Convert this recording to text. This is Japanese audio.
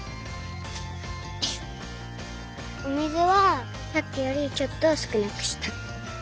お水はさっきよりちょっとすくなくした。